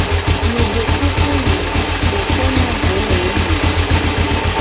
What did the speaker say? Mu de kuku loo, wo kpona go le eme a?